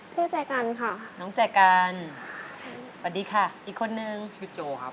เชื่อใจกันค่ะน้องแจกันสวัสดีค่ะอีกคนนึงชื่อโจครับ